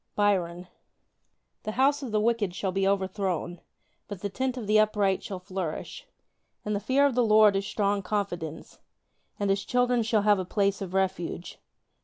Byron The house of the wicked shall be overthrown: But the tent of the upright shall flourish. In the fear of the Lord is strong confidence: And his children shall have a place of refuge.